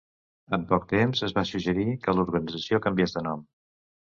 En poc temps es va suggerir que l'organització canviés de nom.